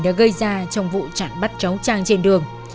đã gây ra trong vụ chặn bắt cháu trang trên đường